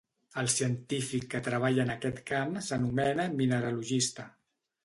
El científic que treballa en aquest camp s'anomena mineralogista.